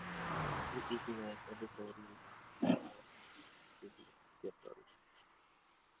He is now editorial director for American City Business Journals.